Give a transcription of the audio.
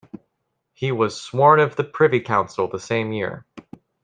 He was sworn of the Privy Council the same year.